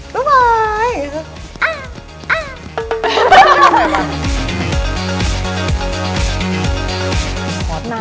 ลูกฝ่าย